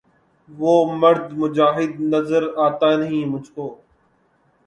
وہ مرد مجاہد نظر آتا نہیں مجھ کو